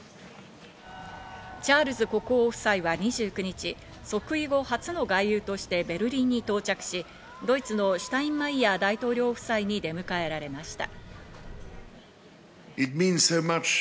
チャールズ国王夫妻は２９日、即位後初の外遊としてベルリンに到着し、ドイツのシュタインマイヤー大統領夫妻に出迎えられました。